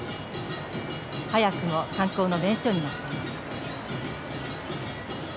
早くも観光の名所になっています。